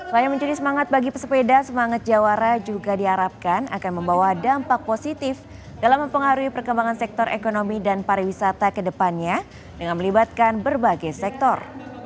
selain mencuri semangat bagi pesepeda semangat jawara juga diharapkan akan membawa dampak positif dalam mempengaruhi perkembangan sektor ekonomi dan pariwisata kedepannya dengan melibatkan berbagai sektor